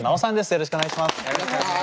よろしくお願いします。